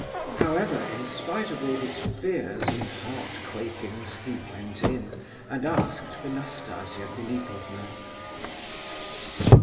However, in spite of all his fears and heart quakings he went in, and asked for Nastasia Philipovna.